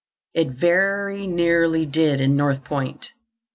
It very nearly did in North Point.